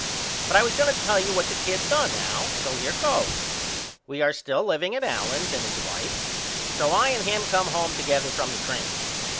But I was going to tell you what the kid done Al. So here goes. We are still liveing at Allen's and his wife. So I and him come home together from the train.